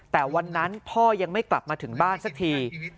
แต่วันนั้นพ่อยังไม่กลับมาถึงบ้านสักที